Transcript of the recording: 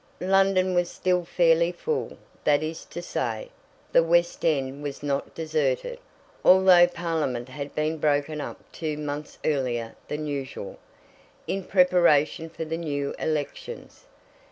London was still fairly full, that is to say, the West End was not deserted, although Parliament had been broken up two months earlier than usual, in preparation for the new elections.